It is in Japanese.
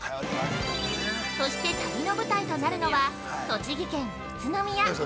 そして、旅の舞台となるのは栃木県宇都宮。